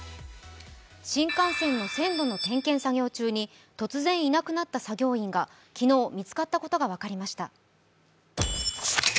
新幹線の線路の点検作業中に突然いなくなった作業員が昨日、見つかったことが分かりました。